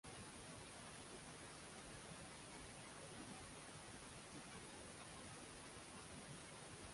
ষোলো বছর বয়সে খান করাচির ফাউন্ডেশন পাবলিক স্কুল থেকে ও লেভেল সম্পন্ন করেন।